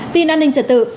tin an ninh trật tự